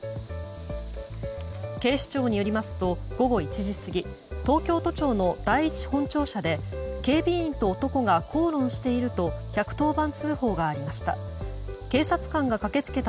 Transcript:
警視庁によりますと午後１時過ぎ東京都庁の第１本庁舎で警備員と男が口論していると１１０番通報がありました。